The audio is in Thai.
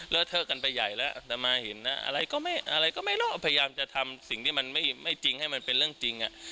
เทอะกันไปใหญ่แล้วแต่มาเห็นนะอะไรก็ไม่อะไรก็ไม่นอกพยายามจะทำสิ่งที่มันไม่จริงให้มันเป็นเรื่องจริง